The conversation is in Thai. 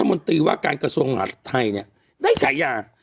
รัฐมนตรีว่าการกระทรวงหลักไทยได้ชัยา